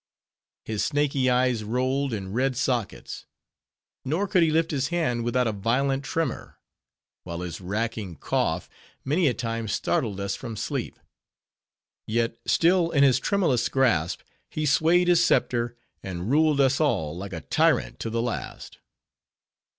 His snaky eyes rolled in red sockets; nor could he lift his hand without a violent tremor; while his racking cough many a time startled us from sleep. Yet still in his tremulous grasp he swayed his scepter, and ruled us all like a tyrant to the last.